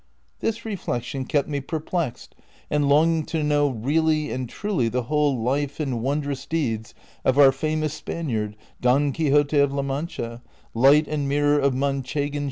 This re flection kept me perplexed and longing to know really and truly the whole life and wondrous deeds of our famous Spaniard, Don Quixote of La Mauclia, light and uurror of Manchegau CHAPTER IX.